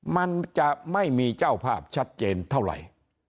มันจะไม่มีเจ้าภาพชัดเจนเท่าไหร่